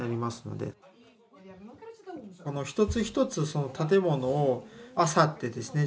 この一つ一つ建物をあさってですね